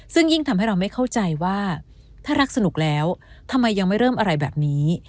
ซึ่งยิ่งทำให้เราไม่เข้าใจว่าถ้ารักสนุกแล้วทำไมยังไม่เริ่มอะไรแบบนี้